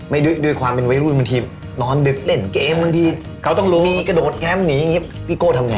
แล้วกะโดดแคมป์หนีอย่างงี้พี่โกทธำแน่